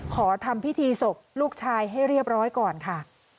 ขอทำพิธีศพลูกชายให้เรียบร้อยก่อนค่ะ